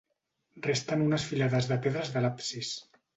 Resten unes filades de pedres de l'absis.